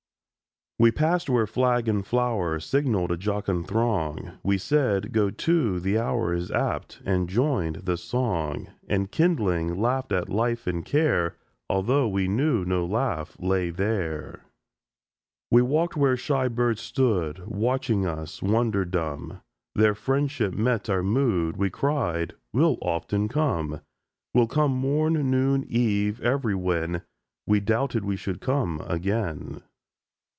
WE passed where flag and flower Signalled a jocund throng; We said: "Go to, the hour Is apt!"—and joined the song; And, kindling, laughed at life and care, Although we knew no laugh lay there. We walked where shy birds stood Watching us, wonder dumb; Their friendship met our mood; We cried: "We'll often come: We'll come morn, noon, eve, everywhen!" —We doubted we should come again.